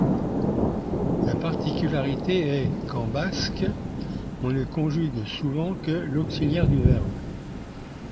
La particularité est qu'en basque on ne conjugue souvent que l'auxiliaire du verbe.